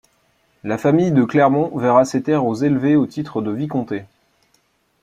La famille de Clermont verra ses terres au élevées au titre de vicomté.